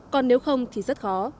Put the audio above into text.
còn nếu không thì rất khó